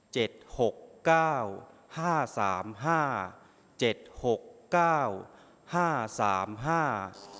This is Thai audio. หกเก้าห้าสามห้าเจ็ดหกเก้าห้าสามห้า